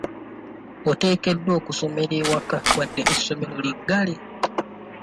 Oteekeddwa okusomera ewaka wadde essomero liggale.